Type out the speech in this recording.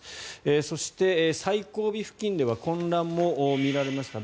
そして、最後尾付近では混乱も見られました。